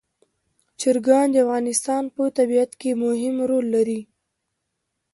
چرګان د افغانستان په طبیعت کې مهم رول لري.